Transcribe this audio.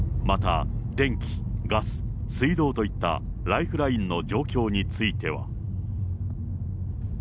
また電気、ガス、水道といったライフラインの状況については。